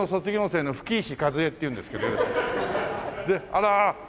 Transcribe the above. あら！